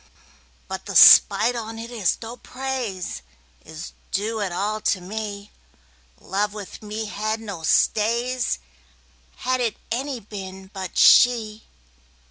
But the spite on 't is, no praiseIs due at all to me:Love with me had made no stays, Had it any been but she.